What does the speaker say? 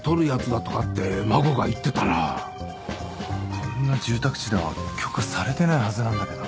こんな住宅地では許可されてないはずなんだけど。